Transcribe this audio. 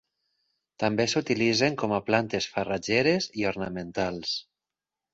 També s'utilitzen com a plantes farratgeres i ornamentals.